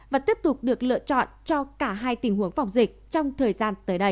và tiếp tục được lựa chọn cho cả hai tình huống phòng dịch trong thời gian tới đây